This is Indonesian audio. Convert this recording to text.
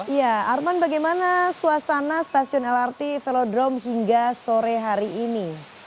ya arman bagaimana suasana stasiun lrt velodrome hingga sore hari ini